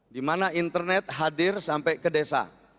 dimana internet hadir sampai ke desa